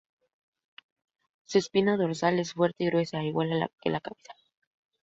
Su espina dorsal es fuerte y gruesa, igual que la cabeza.